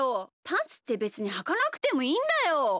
パンツってべつにはかなくてもいいんだよ！